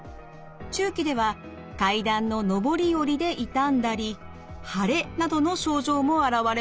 中期では階段の上り下りで痛んだり腫れなどの症状も現れます。